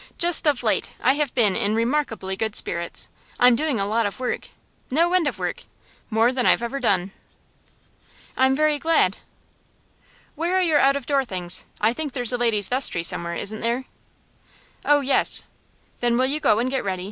'Just of late I have been in remarkably good spirits. I'm doing a lot of work. No end of work more than I've ever done.' 'I am very glad.' 'Where are your out of door things? I think there's a ladies' vestry somewhere, isn't there?' 'Oh yes.' 'Then will you go and get ready?